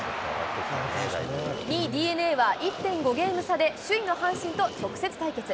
２位ＤｅＮＡは、１．５ゲーム差で、首位の阪神と直接対決。